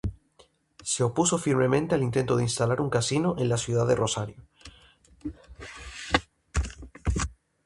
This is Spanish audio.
Se opuso firmemente al intento de instalar un casino en la ciudad de Rosario.